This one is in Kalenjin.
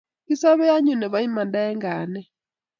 Kisobei anyun nebo imanda eng kayanet